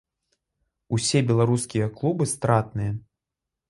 Усе беларускія клубы стратныя.